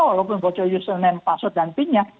walaupun bocok username password dan pin nya